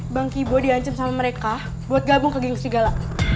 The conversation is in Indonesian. bang kibo diancam sama mereka buat gabung ke gingu segala